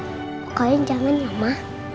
pokoknya jangan ya ma